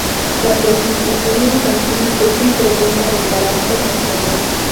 La prostitución infantil es un problema de carácter nacional.